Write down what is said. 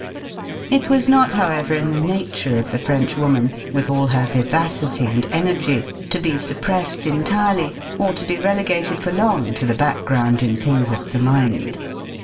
It was not, however, in the nature of the French woman, with all her vivacity and energy, to be suppressed entirely or to be relegated for long to the background in things of the mind.